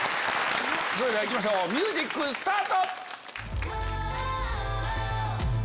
それでは行きましょうミュージックスタート！